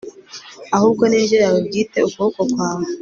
ahubwo ni indyo yawe bwite, ukuboko kwawe